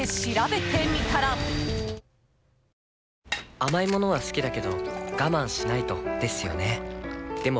甘い物は好きだけど我慢しないとですよね